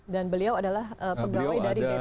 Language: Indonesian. dan beliau adalah pegawai dari bpjs ketenagakerjaan